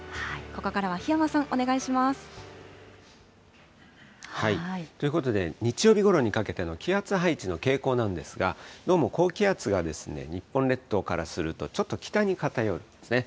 ここからは檜山さん、お願いしまということで、日曜日ごろにかけての気圧配置の傾向なんですが、どうも高気圧が日本列島からするとちょっと北に偏りますね。